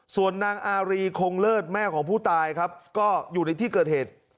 ส่วนนางอารีคงเลิศแม่ของผู้ตายครับก็อยู่ในที่เกิดเหตุ